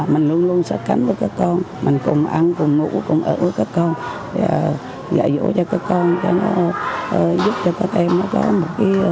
mình luôn luôn sẽ khánh với các con mình cùng ăn cùng ngủ cùng ở với các con và dạy dỗ cho các con giúp cho các em nó có một cái